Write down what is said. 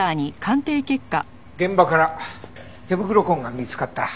現場から手袋痕が見つかった。